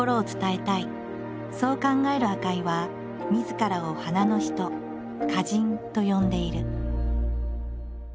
そう考える赤井はみずからを花の人「花人」と呼んでいる。